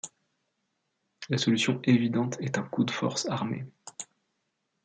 La solution évidente est un coup de force armé.